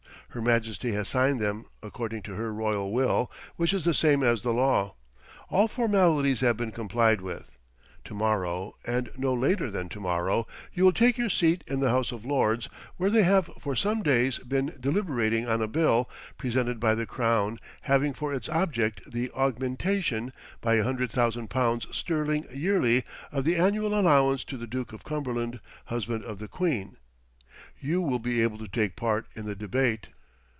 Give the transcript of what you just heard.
Her Majesty has signed them, according to her royal will, which is the same as the law. All formalities have been complied with. To morrow, and no later than to morrow, you will take your seat in the House of Lords, where they have for some days been deliberating on a bill, presented by the crown, having for its object the augmentation, by a hundred thousand pounds sterling yearly, of the annual allowance to the Duke of Cumberland, husband of the queen. You will be able to take part in the debate."